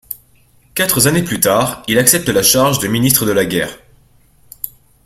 Quatre années plus tard il accepte la charge de Ministre de la Guerre.